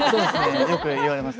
よく言われます。